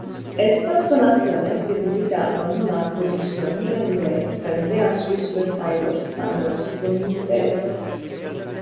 Estas donaciones debilitaron la posición del rey frente a sus vasallos los condes.